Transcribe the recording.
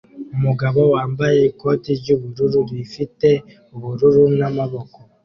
Umugabo wambaye ikoti ryubururu rifite ubururu n'amaboko